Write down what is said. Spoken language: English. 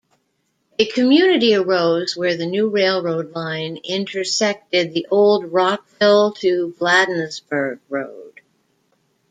A community arose where the new railroad line intersected the old Rockville-to-Bladensburg road.